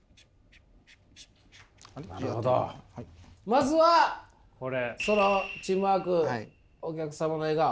まずはそのチームワークお客様の笑顔。